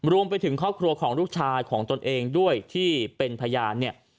รวมไปถึงครอบครัวของลูกชายของตนเองด้วยที่เป็นพยานเนี่ย